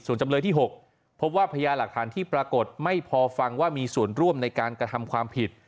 ส่วนจำเลยที่๖พบว่าพญาหลักฐานที่ปรากฏไม่พอฟังว่ามีส่วนร่วมในการกระทำความผิด